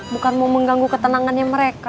bukan mau mengganggu ketenangannya mereka